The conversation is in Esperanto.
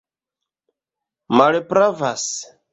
malpravas